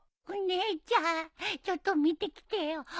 お姉ちゃんちょっと見てきてよ。